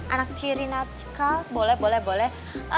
anak tirinachkal boleh boleh boleh